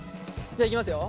じゃあいきますよ。